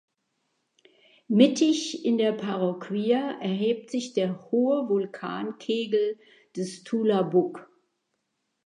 Mittig in der Parroquia erhebt sich der hohe Vulkankegel des Tulabug.